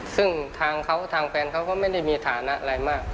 ซึ่งทางเขาทางแฟนเขาก็ไม่ได้มีฐานะอะไรมาก